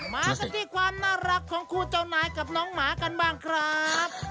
มาดิดความน่ารักของครูเจ้านายกับหนองหมากันบ้างครับ